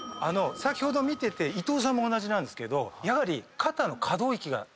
先ほど見てて伊藤さんも同じなんですけどやはり。